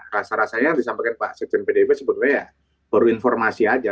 rasa rasanya yang disampaikan pak sekjen pdip sebetulnya ya baru informasi aja